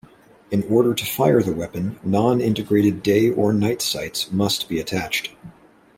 In order to fire the weapon, non-integrated day or night sights must be attached.